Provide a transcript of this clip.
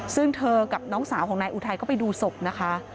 ซึ่งเธอกับน้องสาวของนายอุทัยก็ไปดูศพนะคะ